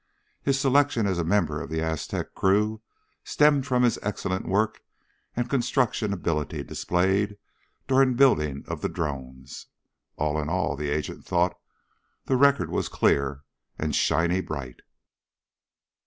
His selection as a member of the Aztec Crew stemmed from his excellent work and construction ability displayed during building of the drones. All in all, the agent thought, the record was clear and shiny bright.